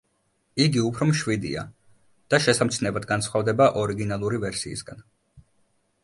იგი უფრო მშვიდია და შესამჩნევად განსხვავდება ორიგინალური ვერსიისგან.